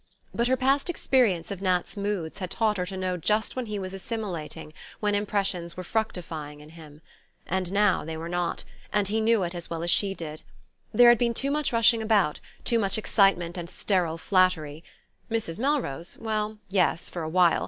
But her past experience of Nat's moods had taught her to know just when he was assimilating, when impressions were fructifying in him. And now they were not, and he knew it as well as she did. There had been too much rushing about, too much excitement and sterile flattery... Mrs. Melrose? Well, yes, for a while...